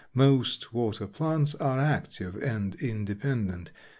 Most water plants are active and independent.